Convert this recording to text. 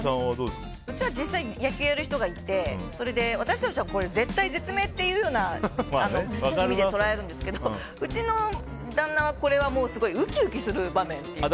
うちは実際に野球をやる人がいて絶体絶命っていうような意味で捉えるんですけどうちの旦那は、これはウキウキする場面っていうか。